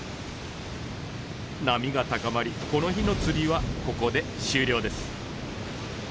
波が高まりこの日の釣りはここで終了です。